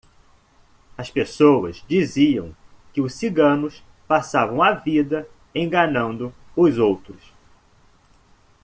As pessoas diziam que os ciganos passavam a vida enganando os outros.